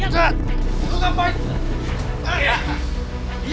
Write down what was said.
jangan inget ah